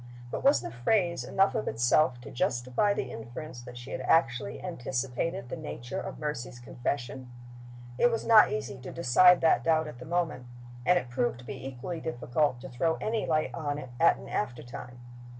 But was the phrase enough of itself to justify the inference that she had actually anticipated the nature of Mercy's confession? It was not easy to decide that doubt at the moment and it proved to be equally difficult to throw any light on it at an aftertime.